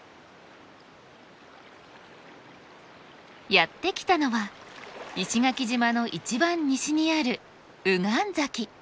やって来たのは石垣島の一番西にある御神崎。